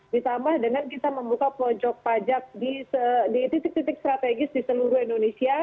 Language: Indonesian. ditambah dengan kita membuka pojok pajak di titik titik strategis di seluruh indonesia